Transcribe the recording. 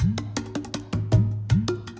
aduh ya allah